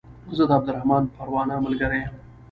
زه د عبدالرحمن پروانه ملګری يم